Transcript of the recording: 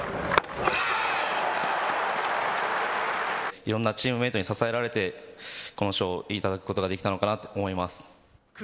いろいろなチームメートに支えられて、この賞を頂くことができたのかなと思います。